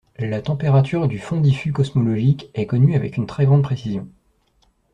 La température du fond diffus cosmologique est connue avec une très grande précision.